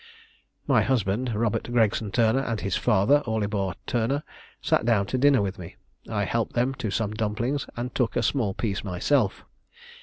My husband, Robert Gregson Turner, and his father, Orlibar Turner, sat down to dinner with me: I helped them to some dumplings, and took a small piece myself.